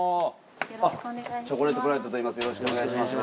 よろしくお願いします。